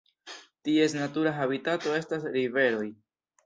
Ties natura habitato estas riveroj.